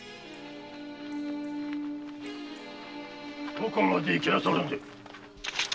どこまで行きなさるんで？